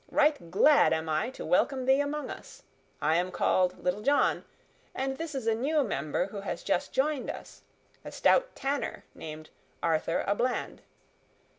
Right glad am I to welcome thee among us. I am called Little John; and this is a new member who has just joined us, a stout tanner named Arthur a Bland.